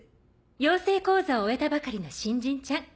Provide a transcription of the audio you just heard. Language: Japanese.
養成講座を終えたばかりの新人ちゃん。